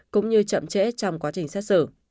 cũng như chậm trễ trong quá trình xét xử